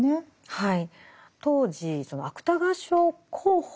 はい。